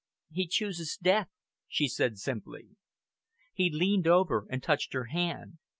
"He chooses death!" she said simply. He leaned over and touched her hand.